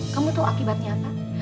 kamu tahu akibatnya apa